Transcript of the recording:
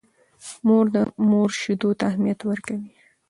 مور د مور شیدو ته اهمیت ورکوي.